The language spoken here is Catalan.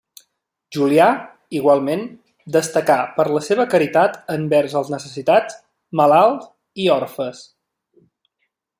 Julià, igualment, destacà per la seva caritat envers els necessitats, malalts i orfes.